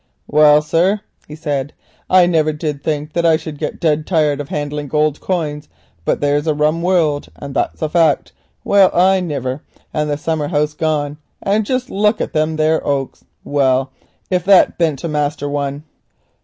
"Well, sir," he said, "I never did think that I should get dead tired of handling gold coin, but it's a rum world, and that's a fact. Well, I niver, and the summer house gone, and jist look at thim there oaks. Well, if that beant a master one."